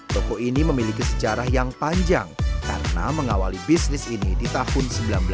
toko ini memiliki sejarah yang panjang karena mengawali bisnis ini di tahun seribu sembilan ratus delapan puluh